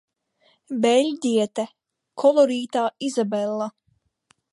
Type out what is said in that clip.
Beļģiete, kolorītā Izabella.